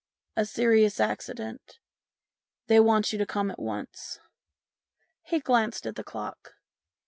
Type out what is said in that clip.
A serious accident. They want you to come at once." He glanced at the clock.